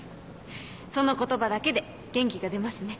その言葉だけで元気が出ますね。